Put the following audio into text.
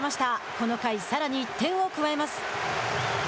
この回、さらに１点を加えます。